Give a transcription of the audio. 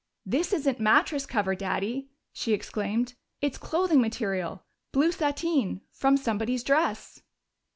"This isn't mattress cover, Daddy!" she exclaimed. "It's clothing material! Blue sateen! From somebody's dress!"